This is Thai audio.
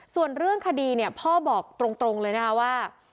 ส่วนเรื่องคดีเนี่ยพ่อบอกตรงเลยนะคะว่า